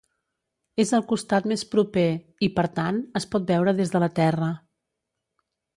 És al costat més proper i, per tant, es pot veure des de la Terra.